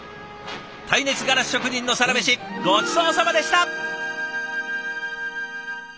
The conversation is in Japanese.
耐熱ガラス職人のサラメシごちそうさまでした！